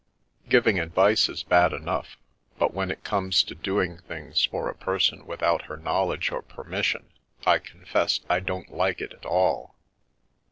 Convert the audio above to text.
Giving ad vice is bad enough, but when it came to doing things for a person without her knowledge or permission I confess I didn't like it at all.